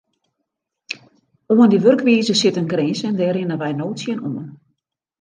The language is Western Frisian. Oan dy wurkwize sit in grins en dêr rinne wy no tsjinoan.